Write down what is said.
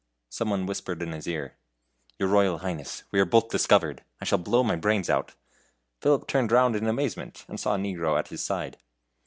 Some one whispered in his ear: "Your Royal Highness, we are both discovered; I shall blow my brains out." Philip turned round in amazement, and saw a negro at his side.